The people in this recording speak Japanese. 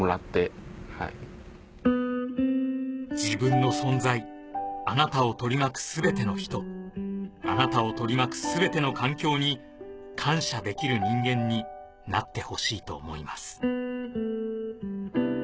「自分の存在あなたをとりまくすべての人あなたをとりまくすべての環境に感謝できる人間になってほしいと思います」。